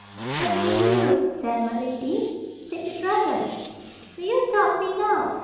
"As you will, then, my lady," said the dragon. "Do you doubt me now?"